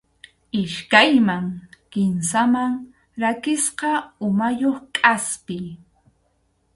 Iskayman kimsaman rakisqa umayuq kʼaspi.